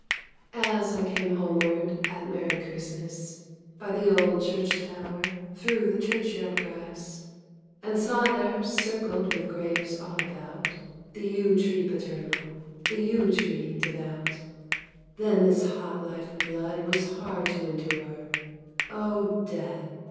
As I came homeward At merry Christmas, By the old church tower, Through the churchyard grass, And saw there, circled With graves all about, The yew tree paternal, The yew tree devout, Then this hot life blood Was hard to endure, O Death!